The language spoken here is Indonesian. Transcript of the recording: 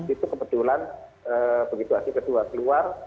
itu kebetulan begitu aksi kedua keluar